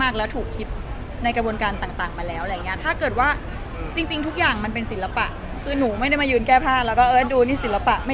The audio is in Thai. ใครดราม่า